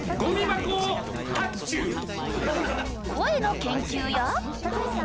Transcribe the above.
声の研究や。